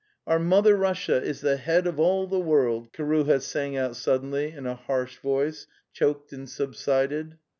'Our Mother Russia is the he ad of all the world!' Kiruha sang out suddenly in a harsh voice, choked and subsided.